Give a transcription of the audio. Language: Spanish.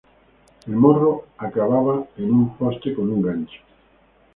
El morro acababa en un poste con un gancho.